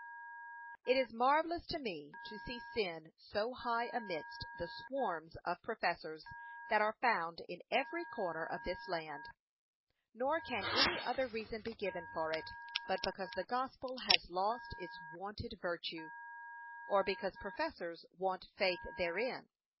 It is marvellous to me to see sin so high amidst the swarms of professors that are found in every corner of this land. Nor can any other reason be given for it, but because the gospel has lost its wonted virtue, or because professors want faith therein.